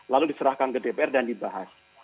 lalu diserahkan ke dpr dan dibahas